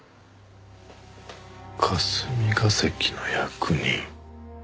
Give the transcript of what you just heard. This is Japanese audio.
霞が関の役人。